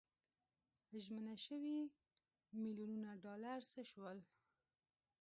ژمنه شوي میلیونونه ډالر څه شول.